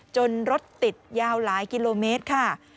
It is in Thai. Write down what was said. รถติดยาวหลายกิโลเมตรค่ะ